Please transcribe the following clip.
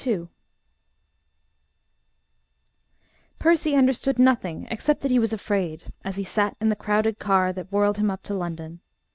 II Percy understood nothing except that he was afraid, as he sat in the crowded car that whirled him up to London.